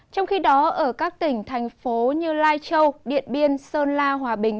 trong khi đó ở các tỉnh thành phố như lai châu điện biên sơn la hòa bình